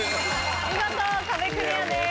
見事壁クリアです。